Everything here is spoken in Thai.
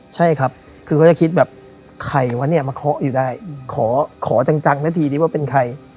ใช่ครับคือเขาจะคิดแบบใครวะเนี่ยมาเคาะอยู่ได้ขอจังนะทีนี้ว่าเป็นใคร